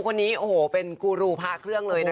คนนี้โอ้โหเป็นกูรูพาเครื่องเลยนะคะ